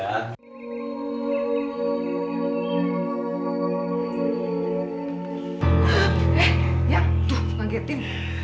eh ya tuh nangketin